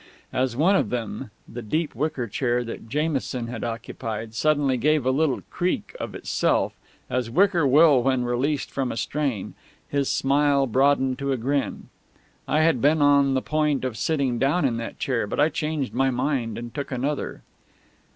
As one of them, the deep wicker chair that Jamison had occupied, suddenly gave a little creak of itself, as wicker will when released from a strain, his smile broadened to a grin. I had been on the point of sitting down in that chair, but I changed my mind and took another.